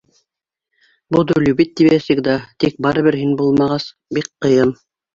...Буду любить тебя всегда, Тик барыбер һин булмағас, бик ҡыйын.